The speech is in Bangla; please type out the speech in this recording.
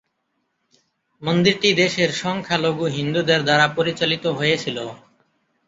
মন্দিরটি দেশের সংখ্যালঘু হিন্দুদের দ্বারা পরিচালিত হয়েছিল।